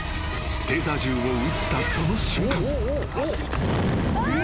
［テーザー銃を撃ったその瞬間］